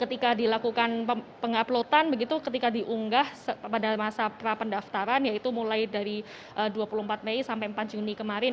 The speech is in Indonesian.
ketika dilakukan penguploadan begitu ketika diunggah pada masa prapendaftaran yaitu mulai dari dua puluh empat mei sampai empat juni kemarin